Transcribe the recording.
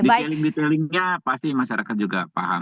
di teling telingnya pasti masyarakat juga paham